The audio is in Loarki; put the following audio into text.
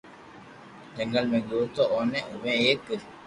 جنگل ۾ گيو تو اوني اووي ايڪ